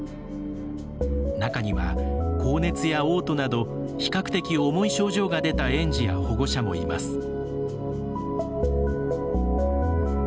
中には高熱や、おう吐など比較的重い症状が出た園児や保護者もいます。